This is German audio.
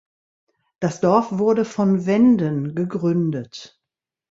Das Dorf wurde von Wenden gegründet.